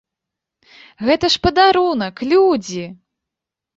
Гэта ж падарунак, людзі!